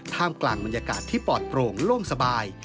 กลางบรรยากาศที่ปลอดโปร่งโล่งสบาย